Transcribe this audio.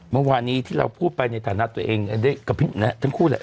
เมื่อวานนี้ที่เราพูดไปในฐานะตัวเองกับทั้งคู่แหละ